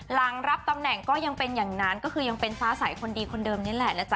หลังรับตำแหน่งก็ยังเป็นอย่างนั้นก็คือยังเป็นฟ้าใสคนดีคนเดิมนี่แหละนะจ๊